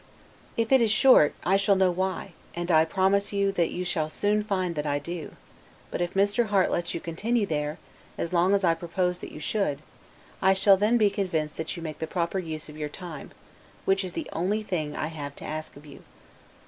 If it is short, I shall know why; and I promise you, that you shall soon find that I do; but if Mr. Harte lets you continue there, as long as I propose that you should, I shall then be convinced that you make the proper use of your time; which is the only thing I have to ask of you.